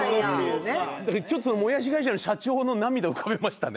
だからちょっともやし会社の社長の涙浮かびましたね。